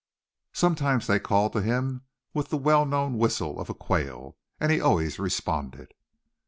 Sometimes they called to him with the well known whistle of a quail; and he always responded.